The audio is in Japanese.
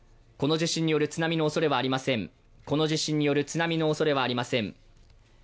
この地震による津波のおそれはありません。